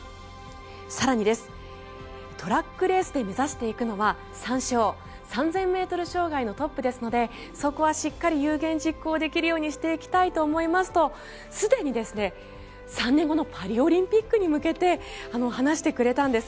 更に、トラックレースで目指していくのはサンショー３０００ｍ障害のトップですのでそこはしっかり有言実行できるようにしていきたいと思いますとすでに３年後のパリオリンピックに向けて話してくれたんです。